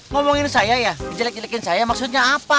ngomongin saya ya jelek jelekin saya maksudnya apa